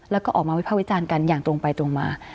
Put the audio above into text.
แล้วก็ออกมาวิภาควิจารณ์กันอย่างตรงไปตรงมา